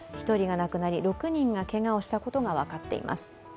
１人が亡くなり、６人がけがをしたことが分かっています。